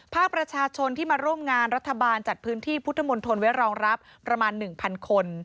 ภาคประชาชนที่มาร่วมงานรัฐบาลจัดพื้นที่พุทธมนตรไว้รองรับประมาณ๑๐๐คน